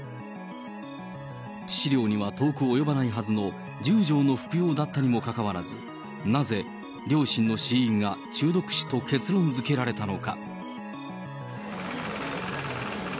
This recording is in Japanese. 致死量には遠く及ばないはずの１０錠の服用だったにもかかわらず、なぜ両親の死因が中毒死と結論づけられたのか。